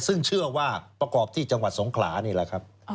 ซึ่งเชื่อว่าประกอบที่จังหวัดสงขลานี่แหละครับ